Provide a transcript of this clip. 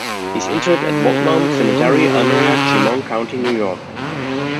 He is interred at Woodlawn Cemetery, Elmira, Chemung County, New York.